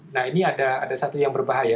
nah ini ada satu yang berbahaya